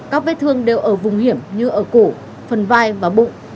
các vết thương đều ở vùng hiểm như ở cổ phần vai và bụng